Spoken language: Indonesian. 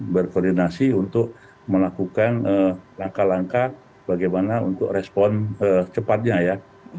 berkoordinasi untuk melakukan langkah langkah bagaimana untuk respon cepatnya ya